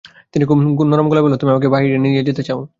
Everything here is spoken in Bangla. তিন্নি খুব নরম গলায় বলল, তুমি আমাকে বাইরে নিয়ে যেতে চাও?